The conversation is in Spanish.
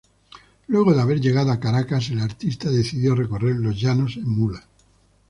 Luego de haber llegado a Caracas, el artista decidió recorrer los llanos en mula.